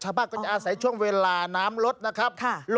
ก็จะอาศัยช่วงเวลาน้ำลดนะครับ